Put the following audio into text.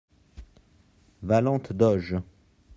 - Valente doge.